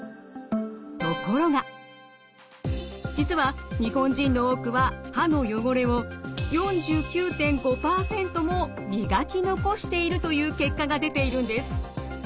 ところが実は日本人の多くは歯の汚れを４９．５％も磨き残しているという結果が出ているんです。